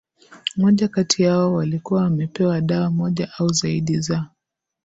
moja kati yao walikuwa wamepewa dawa moja au zaidi za